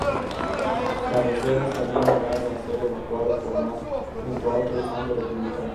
Carrocera se había negado a ser evacuado por mar junto a otros mandos republicanos.